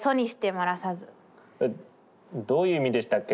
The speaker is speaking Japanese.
どういう意味でしたっけ